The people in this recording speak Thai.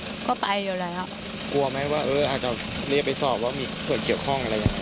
ก็ไปอยู่แล้วกลัวไหมว่าเอออาจจะเรียกไปสอบว่ามีส่วนเกี่ยวข้องอะไรอย่างนี้